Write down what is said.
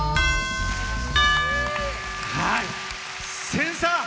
千さん。